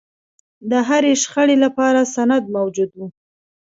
د هرې شخړې لپاره سند موجود و.